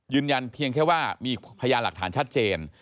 ยืนยันเพียงแค่ว่ามีพยานหลักฐานชัดเจน